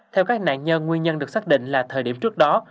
theo các nạn nhân nguyên nhân được xác định là thời điểm trước đó